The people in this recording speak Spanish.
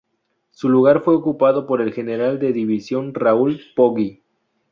Su lugar fue ocupado por el General de División Raúl Poggi.